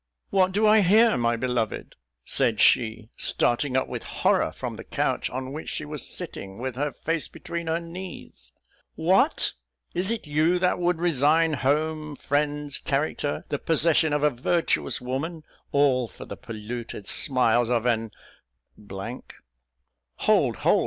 "What do I hear, my beloved?" said she (starting up with horror from the couch on which she was sitting, with her face between her knees), "what! is it you that would resign home, friends, character, the possession of a virtuous woman, all, for the polluted smiles of an " "Hold! hold!